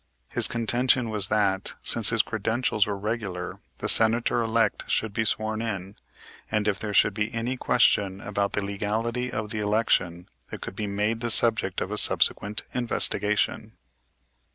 His contention was that, since his credentials were regular, the Senator elect should be sworn in; and if there should be any question about the legality of the election it could be made the subject of a subsequent investigation.